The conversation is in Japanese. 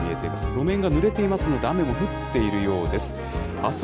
路面がぬれていますので、雨も降っているようです。